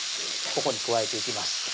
ここに加えていきます